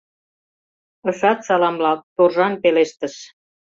Ышат саламлалт, торжан пелештыш: